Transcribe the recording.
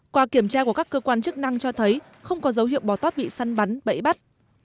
qua kiểm tra của các cơ quan chức năng cho thấy không có dấu hiệu bò tót bị săn bắn bẫy bắt